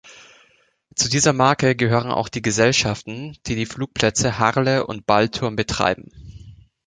Zu dieser Marke gehören auch die Gesellschaften, die die Flugplätze Harle und Baltrum betreiben.